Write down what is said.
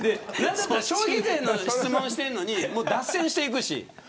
消費税の質問をしているのに脱線していくし。